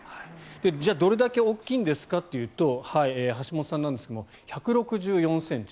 じゃあどれだけ大きいんですかというところですが橋本さんは１６４ｃｍ。